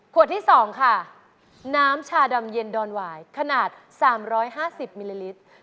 ที่๒ค่ะน้ำชาดำเย็นดอนหวายขนาด๓๕๐มิลลิลิตร